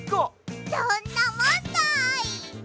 どんなもんだい！